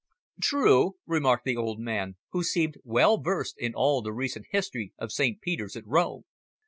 "True," remarked the old man, who seemed well versed in all the recent history of St. Peter's at Rome.